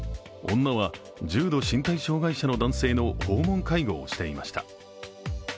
女は重度身体障害者の男性の訪問介護をしていました。